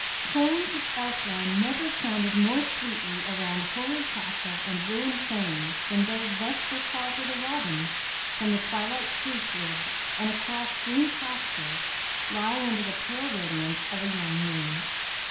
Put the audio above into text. "Horns of Elfland" never sounded more sweetly around hoary castle and ruined fane than those vesper calls of the robins from the twilight spruce woods and across green pastures lying under the pale radiance of a young moon.